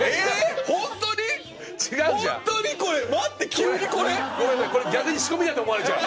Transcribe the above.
急にこれ⁉ごめんなさい逆に仕込みだと思われちゃう！